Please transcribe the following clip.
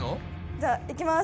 じゃあいきます。